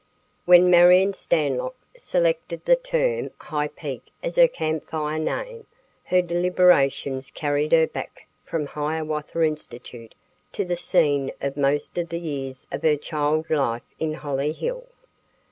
When Marion Stanlock selected the term High Peak as her Camp Fire name, her deliberations carried her back from Hiawatha Institute to the scene of most of the years of her child life in Hollyhill.